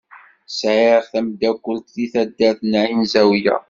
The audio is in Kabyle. Sɛiɣ tameddakelt deg taddart n Ɛin Zawiya.